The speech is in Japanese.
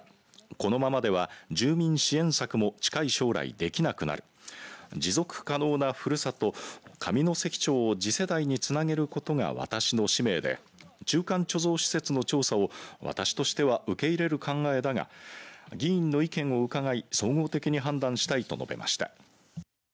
このままでは、住民支援策も近い将来できなくなる持続可能なふるさと上関町を次世代につなげることが私の使命で中間貯蔵施設の調査を私としては受け入れる考えだが議員の意見を伺い総合的に判断したいと述べました。